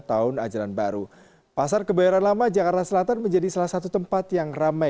tahun ajaran baru pasar kebayoran lama jakarta selatan menjadi salah satu tempat yang ramai